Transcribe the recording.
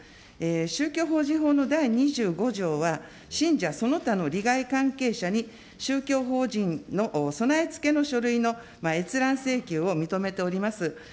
宗教法人法の第２５条は、信者その他の利害関係者に宗教法人の備え付けの書類の閲覧請求を認めております。